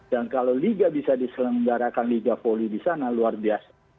dan kalau liga bisa diselenggarakan liga voli di sana luar biasa